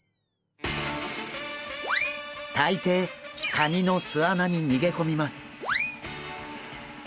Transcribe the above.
大抵カニの巣穴に逃げ込みます。